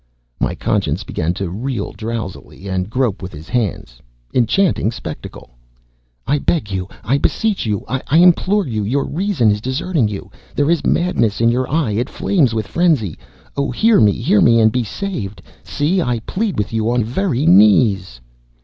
My Conscience began to reel drowsily, and grope with his hands enchanting spectacle! "I beg you, I beseech you, I implore you! Your reason is deserting you! There is madness in your eye! It flames with frenzy! Oh, hear me, hear me, and be saved! See, I plead with you on my very knees!"